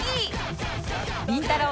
りんたろー。